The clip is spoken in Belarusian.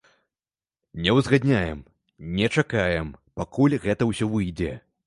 Не ўзгадняем, не чакаем, пакуль гэта ўсё выйдзе.